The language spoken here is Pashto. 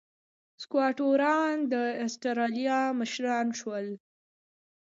سکواټوران د اسټرالیا مشران شول.